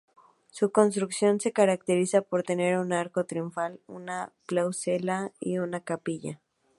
Su construcción se caracteriza por tener un arco triunfal, una plazuela y una capilla.